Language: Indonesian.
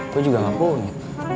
gue juga nggak punya